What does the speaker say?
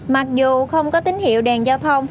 mặc dù không có tín hiệu đèn giao thông